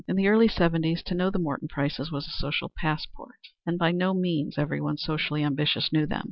In the early seventies to know the Morton Prices was a social passport, and by no means every one socially ambitious knew them.